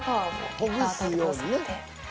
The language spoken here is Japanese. ［ほぐすようにね］